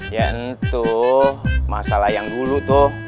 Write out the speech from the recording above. ya entuh masalah yang dulu tuh